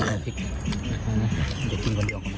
มันจะกินกับเดียวกับพริก